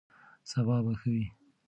سبا به ښه وي.